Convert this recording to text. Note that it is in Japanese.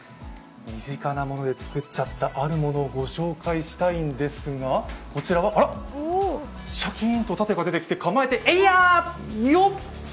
身近なもので作っちゃったあるものをご紹介したいんですが、こちらは、あらっ、シャキーンと構えて盾が出てきてえいやー、よっ！